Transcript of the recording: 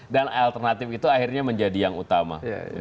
dan alternatif itu akhirnya menjadi yang utama